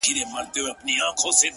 اوس مي له هري لاري پښه ماته ده;